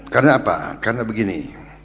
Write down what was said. karena apa karena begini